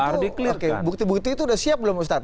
nah bukti bukti itu sudah siap belum ustadz